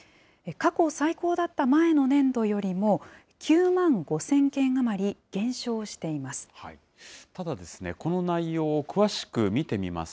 過去最高だった前の年度よりも、９万５０００件余り減少しています。